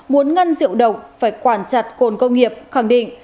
muốn ngăn diệu độc phải quản chặt cồn công nghiệp khẳng định